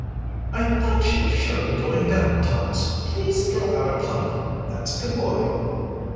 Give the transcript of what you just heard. "I thought she was surely going down, Thomas. Please throw out a plank, that's a good boy."